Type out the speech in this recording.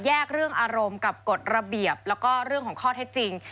เรื่องอารมณ์กับกฎระเบียบแล้วก็เรื่องของข้อเท็จจริง